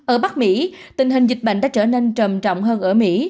ở bắc mỹ tình hình dịch bệnh đã trở nên trầm trọng hơn ở mỹ